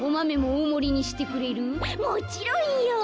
「もちろんよ」。